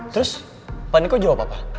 terus paniko jawab apa